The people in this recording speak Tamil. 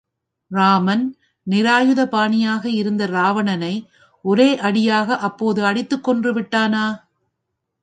இராமன் நிராயுதபாணியாக இருந்த இராவணனை ஒரே அடியாக அப்போது அடித்துக் கொன்று விட்டானா?